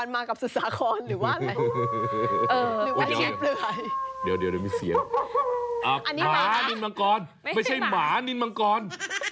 ไม่ใช่หมานินมังกร